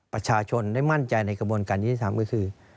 ประชาชนได้มั่นใจในกระบวนการยุทธิธรรมก็คือ